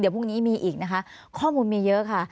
พรุ่งนี้มีอีกนะคะข้อมูลมีเยอะค่ะ